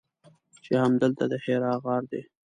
چې همدلته د حرا غار دی.